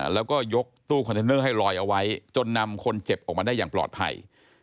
แล้วก็ยกตู้คอนเทนเนอร์ให้ลอยเอาไว้จนนำคนเจ็บออกมาได้อย่างปลอดภัย